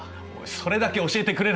「それだけ教えてくれないか」。